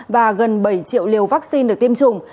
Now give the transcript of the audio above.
và gần bảy triệu liều vaccine được tiêm chủng